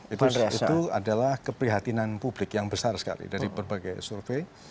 itu adalah keprihatinan publik yang besar sekali dari berbagai survei